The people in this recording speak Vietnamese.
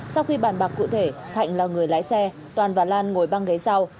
sau khi bàn bạc cụ thể thạnh là người lái xe toàn và lan ngồi băng ghế sau